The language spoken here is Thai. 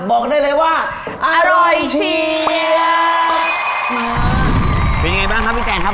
บอกได้เลยว่าอร่อยเชียวเป็นยังไงบ้างครับพี่แตนครับ